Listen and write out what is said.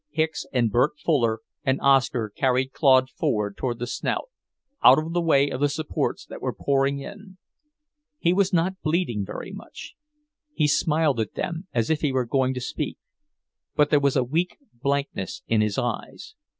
Hicks and Bert Fuller and Oscar carried Claude forward toward the Snout, out of the way of the supports that were pouring in. He was not bleeding very much. He smiled at them as if he were going to speak, but there was a weak blankness in his eyes.